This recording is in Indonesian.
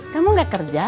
kamu nggak kerja